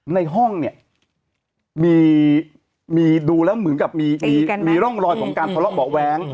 ในห้องเนี่ยมีดูแล้วเหมือนกับมีร่องรอยของการทะเลาะเบาะแว้ง